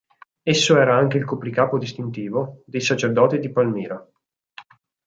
Esso era anche il copricapo distintivo dei sacerdoti di Palmira.